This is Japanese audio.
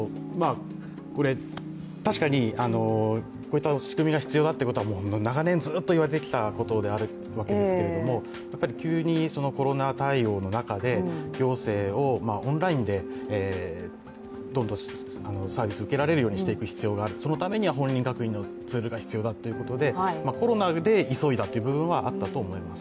確かにこういった仕組みが必要だということは長年ずっといわれ続けてきたことですけれどもやっぱり急にコロナ対応の中で行政をオンラインでどんどんサービスを受けられるようにしていく必要がある、そのためには本人確認ツールが必要だということで、コロナで急いだという部分はあったと思います。